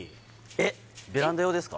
えっベランダ用ですか？